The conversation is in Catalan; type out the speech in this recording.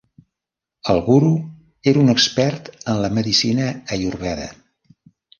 El Guru era un expert en la medicina ayurveda.